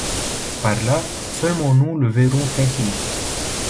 Par là seulement nous le verrons tel qu’il est.